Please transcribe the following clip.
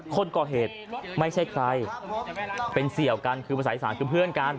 คนก่อเหตุไม่ใช่ใครเป็นเสี่ยวกันคือภาษาอีสานคือเพื่อนกัน